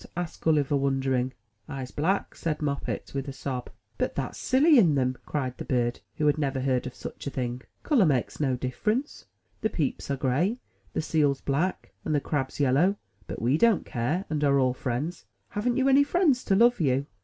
asked Gulliver, wondering. "Fse black," said Moppet, with a sob. 90 THE TREASURE CHEST But that's silly in them," cried the bird, who had never heard of such a thing. *'Color makes no difference; the peeps are gray, the seals black, and the crabs yellow; but we don't care, and are all friends. Haven't you any friends to love you?"